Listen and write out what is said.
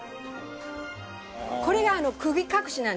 これが釘隠しなんです。